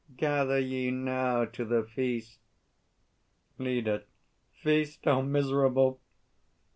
Gather ye now to the feast! LEADER. Feast! O miserable!